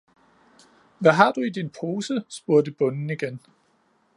hvad har du i din pose? spurgte bonden igen.